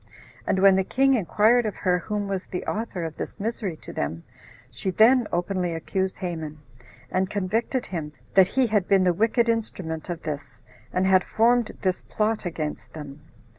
And when the king inquired of her whom was the author of this misery to them, she then openly accused Haman, and convicted him, that he had been the wicked instrument of this, and had formed this plot against them.